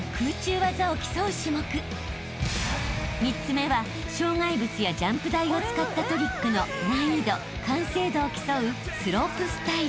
［３つ目は障害物やジャンプ台を使ったトリックの難易度完成度を競う］